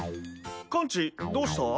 カンチどうした？